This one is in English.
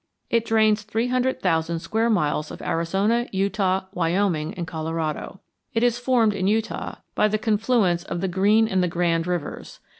It drains three hundred thousand square miles of Arizona, Utah, Wyoming, and Colorado. It is formed in Utah by the confluence of the Green and the Grand Rivers.